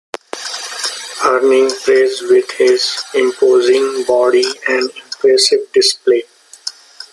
Earning praise with his imposing body and impressive displays.